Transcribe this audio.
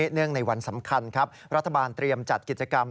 เนื่องในวันสำคัญครับรัฐบาลเตรียมจัดกิจกรรม